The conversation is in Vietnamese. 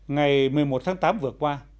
ngày một mươi một tháng tám vừa qua